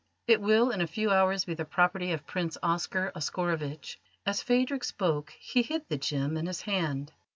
It will in a few hours be the property of Prince Oscar Oscarovitch." As Phadrig spoke he hid the gem in his hand.